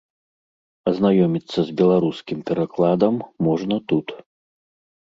Азнаёміцца з беларускім перакладам можна тут.